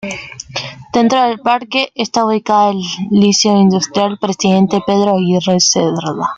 Dentro del parque está ubicado el Liceo Industrial Presidente Pedro Aguirre Cerda.